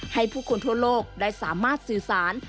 ให้ผู้คนทั่วโลกได้สามารถสื่อสาร